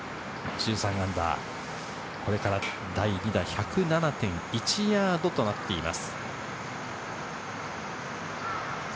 −１３、これから第２打、１０７．１ヤードとなっています。